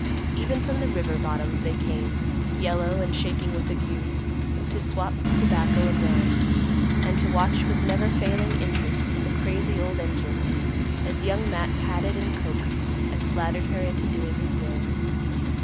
Even from the river bottoms they came, yellow and shaking with ague, to swap tobacco and yarns, and to watch with never failing interest the crazy old engine, as Young Matt patted, and coaxed, and flattered her into doing his will.